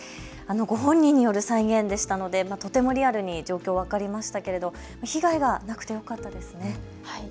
ご本人による再現でしたのでとてもリアルに状況が分かりましたが被害がなくてよかったですね。